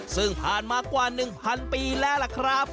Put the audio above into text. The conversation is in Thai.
ซึ่งผ่านมากว่า๑๐๐ปีแล้วล่ะครับ